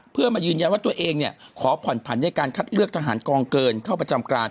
เพื่อมายืนยันว่าตัวเองขอผ่อนผันในการคัดเลือกทหารกองเกินเข้าประจำการ